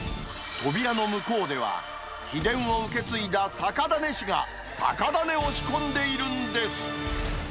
扉の向こうでは、秘伝を受け継いだ酒種師が、酒種を仕込んでいるんです。